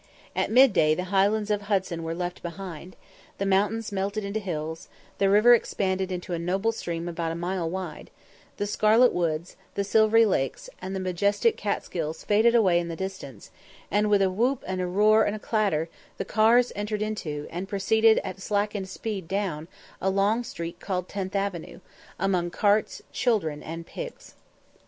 At mid day the Highlands of Hudson were left behind the mountains melted into hills the river expanded into a noble stream about a mile in width the scarlet woods, the silvery lakes, and the majestic Catsgills faded away in the distance; and with a whoop, and a roar, and a clatter, the cars entered into, and proceeded at slackened speed down, a long street called Tenth Avenue, among carts, children, and pigs.